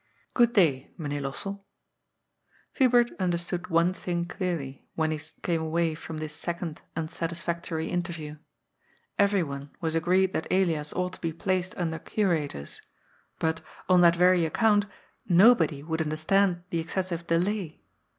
Good day, Mynheer Lossell." Hubert understood one thing clearly when he came away from this second unsatisfactory interview. Everyone was agreed that Elias ought to be placed under curators." But, on that very account, nobody would understand the excessive delay.